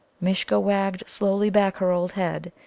Mishcha wagged slowly her old head.